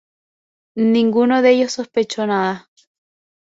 Ninguno de ellos sospechó nada.